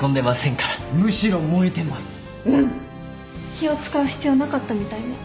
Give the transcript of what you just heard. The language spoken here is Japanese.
気を使う必要なかったみたいね。